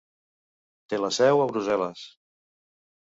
Té la seu a Brussel·les.